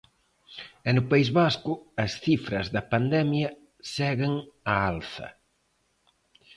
E no País Vasco as cifras da pandemia seguen a alza.